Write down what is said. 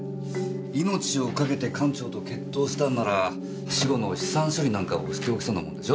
命をかけて館長と決闘したんなら死後の資産処理なんかをしておきそうなもんでしょ？